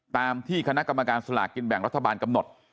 ตามที่คณะกรรมการสลากกินแบ่งรัฐบาลกำหนด